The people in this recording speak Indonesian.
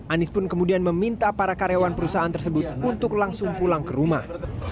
anies pun kemudian meminta para karyawan perusahaan tersebut untuk langsung pulang ke rumah